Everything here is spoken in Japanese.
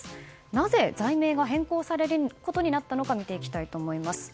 なぜ罪名が変更されることになったのか見ていきたいと思います。